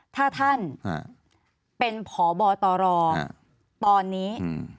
ถ้าท่านเป็นพบตรตอนนี้